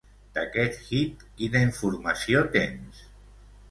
D'aquest hit, quina informació tens?